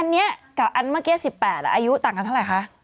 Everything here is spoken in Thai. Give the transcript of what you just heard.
อันนี้กับอันเมื่อกี้๑๘อายุต่างกันเท่าไหร่คะ